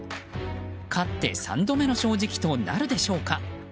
勝って３度目の正直となるでしょうか。